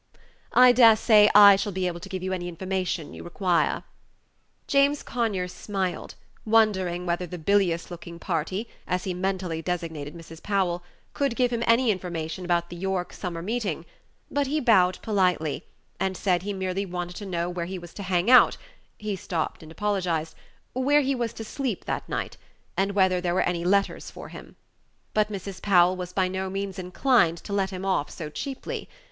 "I dare say I shall be able to give you any information you require." James Conyers smiled, wondering whether the bilious looking party, as he mentally designated Mrs. Powell, could give him any information about the York summer meeting; but he bowed politely, and said he merely wanted to know where he was to hang out he stopped and apologized where he was to sleep that night, and whether there were any letters for him. But Mrs. Powell was by no means inclined to let him off so cheaply.